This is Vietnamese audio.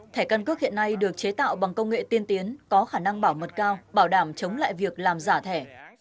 thẻ căn cước hiện nay được chế tạo bằng công nghệ tiên tiến có khả năng bảo mật cao bảo đảm chống lại việc làm giả thẻ